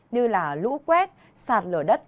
như lũ quét sạt lở đất